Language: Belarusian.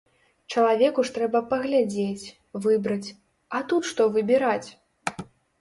Чалавеку ж трэба паглядзець, выбраць, а тут што выбіраць?